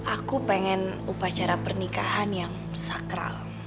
aku pengen upacara pernikahan yang sakral